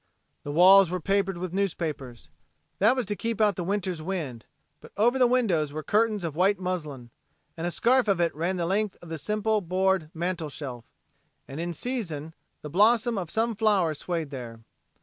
The walls were papered with newspapers. That was to keep out the winter's wind, but over the windows were curtains of white muslin, and a scarf of it ran the length of the simple board mantel shelf, and in season the blossom of some flower swayed there.